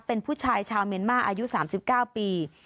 เป็นผู้ชายชาวเมียนมาอายุ๓๙ปี